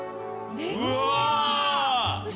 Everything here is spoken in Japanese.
うわ！